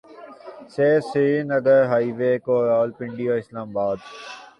سے Srinagar highway کو راولپنڈی اور اسلام آباد